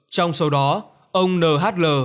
trong số đó ông nhl